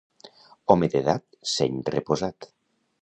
Home d'edat, seny reposat.